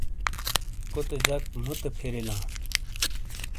کوتے جک موتے پھری لا۔